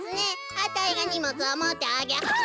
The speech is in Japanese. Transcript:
あたいがにもつをもってあげハッ！